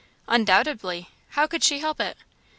"Undoubtedly; how could she help it?"